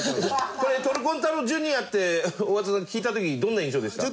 これ「トルコン太郎Ｊｒ．」って大麻さん聞いた時どんな印象でした？